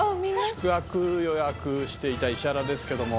宿泊予約していた石原ですけども。